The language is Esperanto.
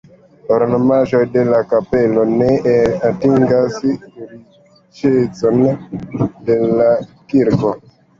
Ornamaĵoj de la kapelo ne atingas riĉecon de la kirko.